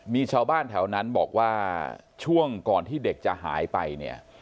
มีชาวบ้านแถวนั้นบอกว่าช่วงก่อนที่เด็กจะหายไปเนี่ย